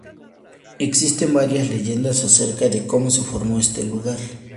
Existen varias leyendas acerca de cómo se formó este lugar.